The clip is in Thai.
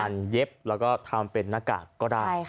เย็บแล้วก็ทำเป็นหน้ากากก็ได้